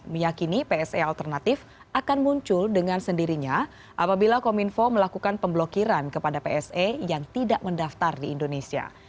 meyakini pse alternatif akan muncul dengan sendirinya apabila kominfo melakukan pemblokiran kepada pse yang tidak mendaftar di indonesia